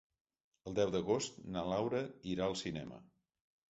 El deu d'agost na Laura irà al cinema.